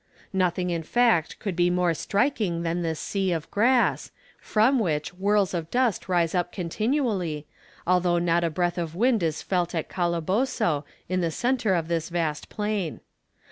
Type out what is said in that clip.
Nothing in fact could be more striking than this sea of grass, from which whirls of dust rise up continually, although not a breath of wind is felt at Calabozo, in the centre of this vast plain.